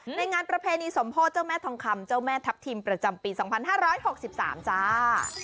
งานประเพณีสมโพธิเจ้าแม่ทองคำเจ้าแม่ทัพทิมประจำปี๒๕๖๓จ้า